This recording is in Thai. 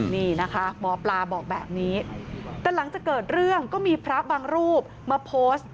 นี่นะคะหมอปลาบอกแบบนี้แต่หลังจากเกิดเรื่องก็มีพระบางรูปมาโพสต์